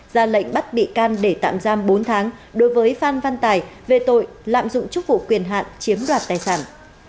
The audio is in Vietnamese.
ra lệnh bắt bị can để tạm giam bốn tháng đối với phan văn tài về tội lạm dụng chức vụ quyền hạn chiếm đoạt tài sản